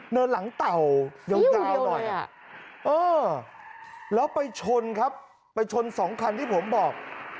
หลังเต่ายาวหน่อยแล้วไปชนครับไปชนสองคันที่ผมบอก